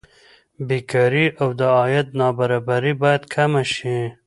بېکاري او د عاید نابرابري باید کمه شي.